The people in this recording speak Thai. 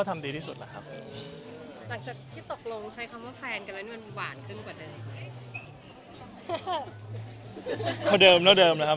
ตามสถานการณ์ครับ